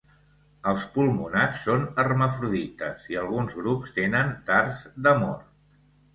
Els pulmonats són hermafrodites, i alguns grups tenen dards d'amor.